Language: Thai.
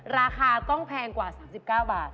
ราคาต้องแพงกว่า๓๙บาท